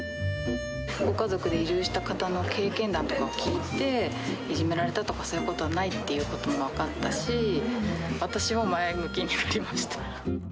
ご家族で移住した方の経験談とかを聞いて、いじめられたとか、そういうことはないっていうことも分かったし、私は前向きになりました。